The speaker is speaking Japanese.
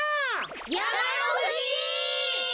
やまのふじ！